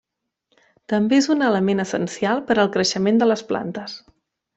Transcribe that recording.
També és un element essencial per al creixement de les plantes.